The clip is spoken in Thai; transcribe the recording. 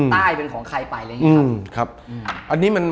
ใต้เป็นของใครไปอะไรอย่างนี้ครับ